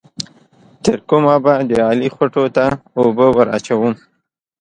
تر کومه به د علي خوټو ته اوبه ور اچوم؟